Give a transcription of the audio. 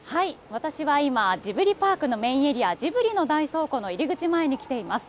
私は今、ジブリパークのメインエリア、ジブリの大倉庫の入り口前に来ています。